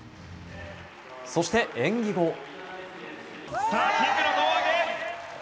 そして演技後。